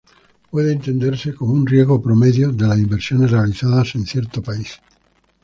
Puede entenderse como un riesgo promedio de las inversiones realizadas en cierto país.